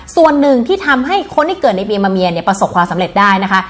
ส่วนหนึ่งที่ทำให้คนที่เกิดในปีมะเมียเนี่ยประสบความสำเร็จได้นะคะ